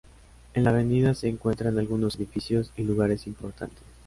En la avenida se encuentran algunos edificios y lugares importantes.